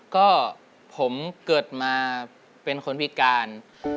ก็ผมเกิดมาเป็นคนพิการ